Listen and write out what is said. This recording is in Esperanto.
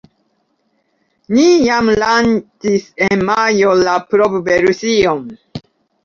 Ni jam lanĉis en majo la provversion.